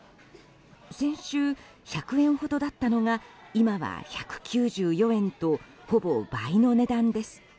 先週、１００円ほどだったのが今は１９４円とほぼ倍の値段です。